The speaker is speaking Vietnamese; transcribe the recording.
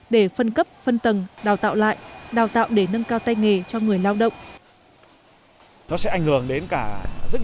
để phân cấp phân tầng đào tạo lại đào tạo để nâng cao tay nghề cho người lao động